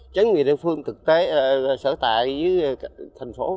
chứ người địa phương thực tế sở tại thành phố